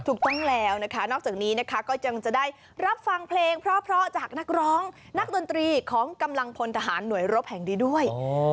ถูกต้องแล้วนะคะนอกจากนี้นะคะก็ยังจะได้รับฟังเพลงเพราะจากนักร้องนักดนตรีของกำลังพลทหารหน่วยรบแห่งนี้ด้วย